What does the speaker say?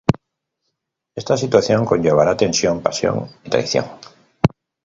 Esta situación conllevará tensión, pasión y traición.